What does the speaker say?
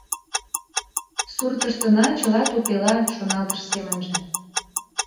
«Суртыштына чыла тупела», — шоналтыш семынже.